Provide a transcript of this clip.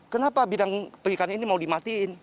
kenapa bidang perikanan ini mau dimatiin